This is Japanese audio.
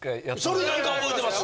それなんか覚えてます。